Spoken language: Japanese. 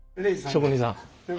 職人さん。